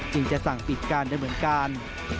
จึงจะสั่งปิดการด้วยเหมือนกัน